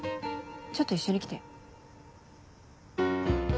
ちょっと一緒に来て。